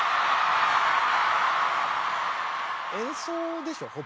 演奏でしょほぼ。